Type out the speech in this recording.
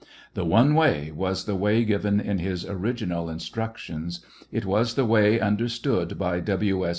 The one way was the way given ,in his original instructions ; it was the way understood by W. S.